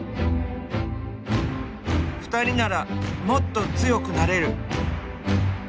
ふたりならもっと強くなれる。